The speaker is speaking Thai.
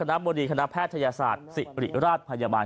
ณบดีคณะแพทยศาสตร์ศิริราชพยาบาล